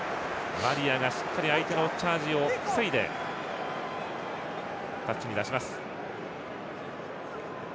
マリアがしっかり相手のチャージを防いでタッチに出します。